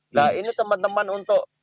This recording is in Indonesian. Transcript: nah ini teman teman untuk